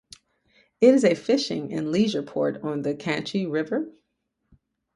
It is a fishing and leisure port on the Canche river.